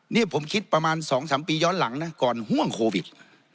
นี่ผมคิดประมาณ๒๓ปีย้อนหลังนะก่อนห่วงโควิด